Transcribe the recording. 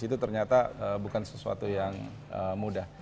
itu ternyata bukan sesuatu yang mudah